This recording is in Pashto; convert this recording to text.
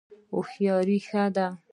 هوښیاري ښه ده.